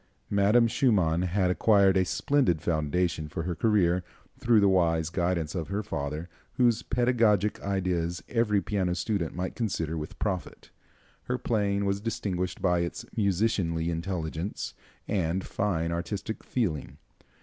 Madame Schumann had acquired a splendid foundation for her career through the wise guidance of her father, whose pedagogic ideas every piano student might consider with profit. Her playing was distinguished by its musicianly intelligence and fine artistic feeling.